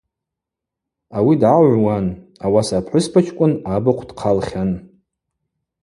Ауи дгӏагӏвуан, ауаса апхӏвыспачкӏвын абыхъв дхъалхьан.